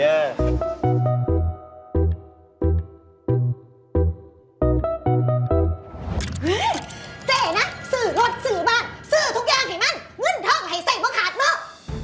เฮ้ยเจ๊นะสื่อรถสื่อบ้านสื่อทุกอย่างให้มั่นมึ่นเทาะให้เสมอขาดเมา